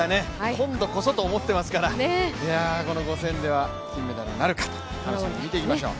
今度こそと思ってますからこの５０００では金メダルなるかと楽しみに見ていきましょう。